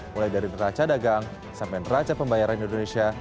mulai dari neraca dagang sampai neraca pembayaran indonesia